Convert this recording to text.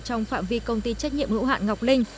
trong phạm vi công ty trách nhiệm hữu hạn ngọc linh